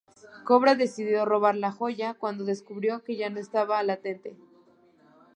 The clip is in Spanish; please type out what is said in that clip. Kobra decidió robar la joya cuando descubrió que ya no estaba latente.